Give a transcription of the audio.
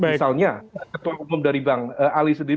misalnya ketua umum dari bang ali sendiri